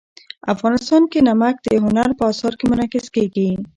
افغانستان کې نمک د هنر په اثار کې منعکس کېږي.